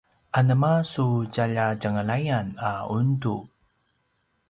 anema su tjalja tjenglayan a undu?